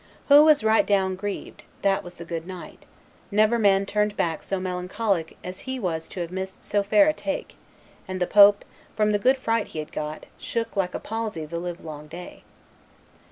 Who was right down grieved, that was the good knight; never man turned back so melancholic as he was to have missed so fair a take; and the pope, from the good fright he had gotten, shook like a palsy the live long day."